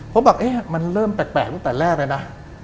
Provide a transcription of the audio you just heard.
ผมบอกเอ๊ะมันเริ่มแปลกตั้งแต่แรกเลยนะ